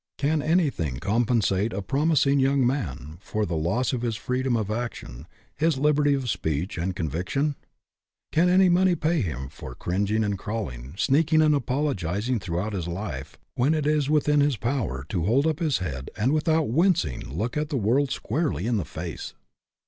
Can anything compensate a promising young man for the loss of his freedom of ac tion, his liberty of speech and conviction ? Can any money pay him for cringing and crawling, sneaking and apologizing throughout his life, when it is within his power to hold up his head and without wincing look the world squarely in the face